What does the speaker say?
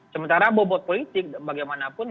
sementara bobot politik bagaimanapun